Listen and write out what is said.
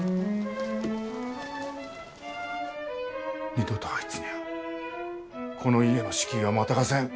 二度とあいつにゃあこの家の敷居はまたがせん。